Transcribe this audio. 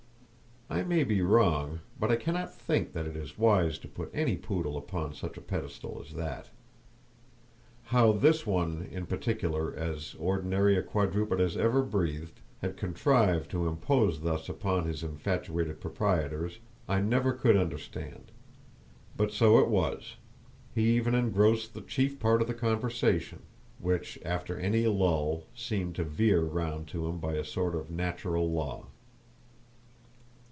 I may be wrong, but I cannot think that it is wise to put any poodle upon such a pedestal as that. How this one in particular, as ordinary a quadruped as ever breathed, had contrived to impose thus upon his infatuated proprietors, I never could understand, but so it was; he even engrossed the chief part of the conversation, which after any lull seemed to veer round to him by a sort of natural law.